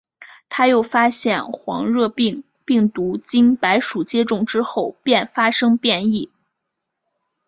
他又发现黄热病病毒经白鼠接种之后便发生变异。